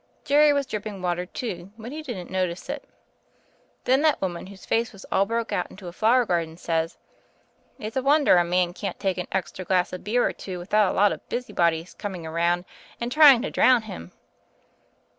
Jerry was dripping water, too; but he didn't notice it. Then that woman whose face was all broke out into a flower garden says, *It's a wonder a man can't take an extra glass of beer or two without a lot of busy bodies coming around and trying to drown him.'